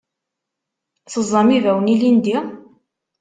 Teẓẓam ibawen ilindi?